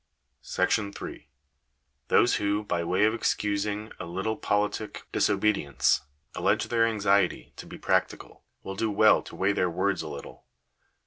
*»■ Those who, by way of excusing a little politic disobedience, allege their anxiety to be practical, will do well to weigh their words a little.